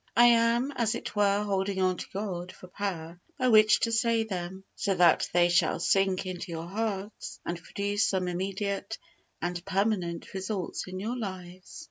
I am, as it were, holding on to God for power by which to say them, so that they shall sink into your hearts and produce some immediate and permanent results in your lives.